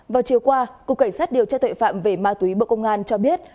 vào chiều qua cục cảnh sát điều tra tuệ phạm về ma túy bộ công an cho biết